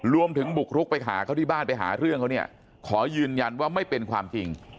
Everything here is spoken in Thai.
บุกรุกไปหาเขาที่บ้านไปหาเรื่องเขาเนี่ยขอยืนยันว่าไม่เป็นความจริง